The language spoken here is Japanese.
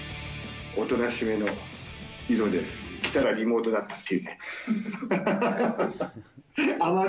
おとなしめの色で、来たらリモートだったというね。